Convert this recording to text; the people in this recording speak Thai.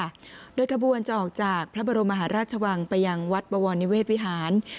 ขบวนจะออกจากพระบรมมหาราชวังไปยังวัดบวรนิเวศวิหาร